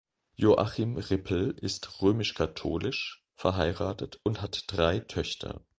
Joachim Rippel ist römisch-katholisch, verheiratet und hat drei Töchter.